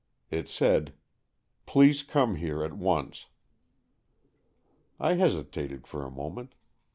It said :" Please come here at once." I hesitated for a moment.